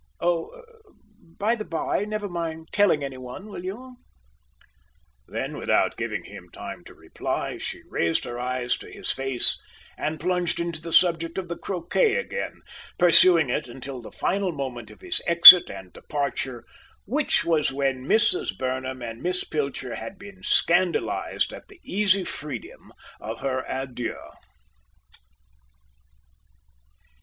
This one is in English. Oh! By the by, never mind telling any one, will you?" Then, without giving him time to reply, she raised her eyes to his face, and plunged into the subject of the croquet again, pursuing it until the final moment of his exit and departure, which was when Mrs. Burnham and Miss Pilcher had been scandalized at the easy freedom of her adieus.